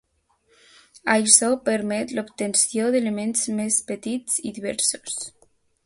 Això permet l'obtenció d'elements més petits i diversos.